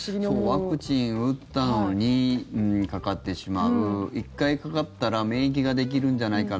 ワクチンを打ったのにかかってしまう１回かかったら免疫ができるんじゃないか